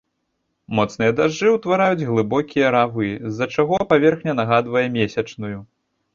Моцныя дажджы ўтвараюць глыбокія равы, з-за чаго паверхня нагадвае месячную.